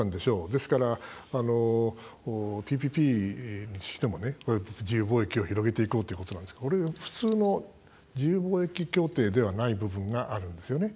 ですから、ＴＰＰにしても自由貿易を広げていこうということなんですけどこれ普通の自由貿易協定ではない部分があるんですよね。